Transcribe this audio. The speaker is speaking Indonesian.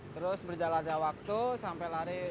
terus berjalan jalan waktu sampai lari